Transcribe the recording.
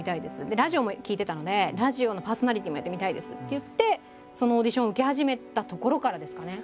でラジオも聴いてたので「ラジオのパーソナリティーもやってみたいです」って言ってそのオーディションを受け始めたところからですかね。